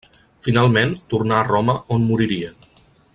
Finalment tornà a Roma on moriria.